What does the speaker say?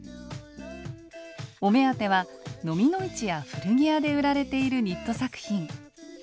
お目当てはのみの市や古着屋で売られているニット作品。